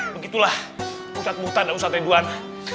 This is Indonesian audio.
begitulah ustadz bukhtan dan ustadz ridwan